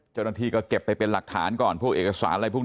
เจ้าหน้าที่ก็เก็บไปเป็นหลักฐานก่อนพวกเอกสาร